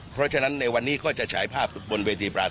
เพราะฉะนั้นในวันนี้ก็จะฉายภาพบนเวทีปราศ